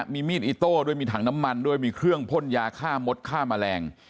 มีมีดอิโต้ด้วยมีถังน้ำมันด้วยมีเครื่องพ่นยาฆ่ามดฆ่าแมลง